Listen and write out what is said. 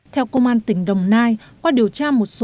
theo công an tỉnh đồng nai qua điều tra một số